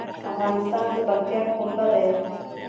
افغانستان د پکتیا کوربه دی.